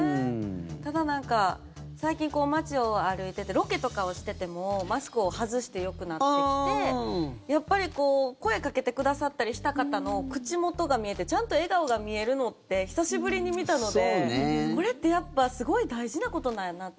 ただ最近、街を歩いててロケとかをしててもマスクを外してよくなってきてやっぱり声かけてくださったりした方の口元が見えてちゃんと笑顔が見えるのって久しぶりに見たのでこれってやっぱすごい大事なことなんやなって。